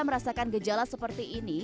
merasakan gejala seperti ini